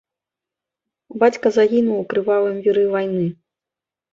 Бацька загінуў у крывавым віры вайны.